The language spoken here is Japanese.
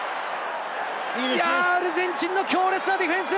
アルゼンチンの強烈なディフェンス。